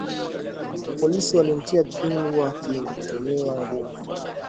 Polisi walimtia pingu wakitumia nguvu